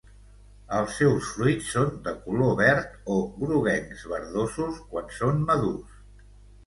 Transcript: Els seus fruits són de color verd o groguencs verdosos quan són madurs.